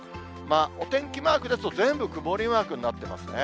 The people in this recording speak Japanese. お天気マークですと、全部曇りマークになってますね。